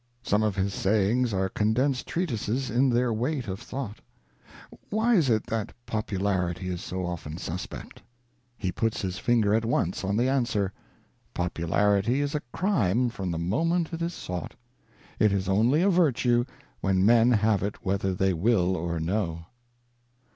Some of his sayings are condensed treatises in their weight of thought. Why is it that INTRODUCTION. xxv that popularity is so often suspect ? He puts his finger at once on the answer. ' Popularity is a Crime from the Moment it is sought ; it is only a Virtue where Men have it whether they will or no.'